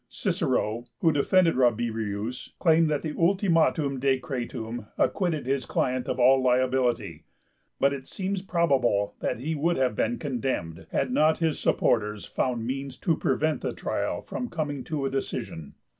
Cicero, who defended Rabirius, claimed that the 'ultimum decretum' acquitted his client of all liability. But it seems probable that he would have been condemned, had not his supporters found means to prevent the trial from coming to a decision.